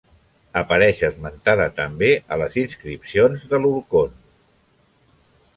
Apareix esmentada també a les inscripcions de l'Orkhon.